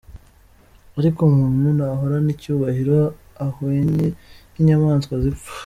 Ariko umuntu ntahorana icyubahiro, Ahwanye n’inyamaswa zipfa.